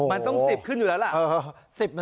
มันต้อง๑๐ขึ้นอยู่แล้วล่ะ